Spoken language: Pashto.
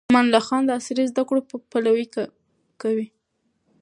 امان الله خان د عصري زده کړو پلوي و.